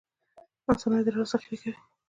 مثانه ادرار ذخیره کوي